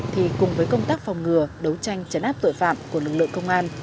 thì cùng với công tác phòng ngừa đấu tranh chấn áp tội phạm của lực lượng công an